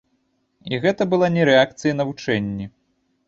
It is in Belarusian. І гэта была не рэакцыя на вучэнні.